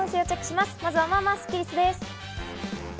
まずは、まあまあスッキりすです。